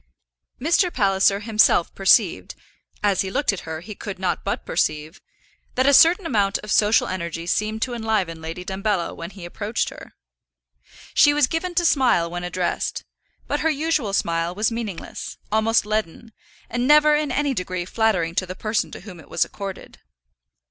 Mr. Palliser himself perceived as he looked at her he could not but perceive that a certain amount of social energy seemed to enliven Lady Dumbello when he approached her. She was given to smile when addressed, but her usual smile was meaningless, almost leaden, and never in any degree flattering to the person to whom it was accorded.